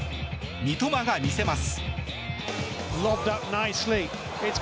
三笘が見せます。